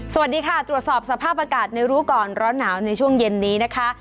สวัสดีค่ะตรวจสอบสภาพอากาศในรู้ก่อนร้อนหนาวในช่วงเย็นนี้นะคะ